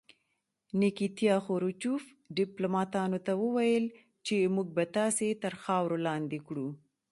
نیکیتیا خروچوف ډیپلوماتانو ته وویل چې موږ به تاسې تر خاورو لاندې کړو